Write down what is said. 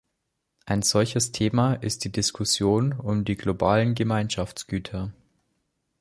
Ein solches Thema ist die Diskussion um die globalen Gemeinschaftsgüter.